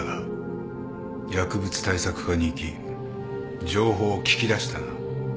薬物対策課に行き情報を聞き出したな。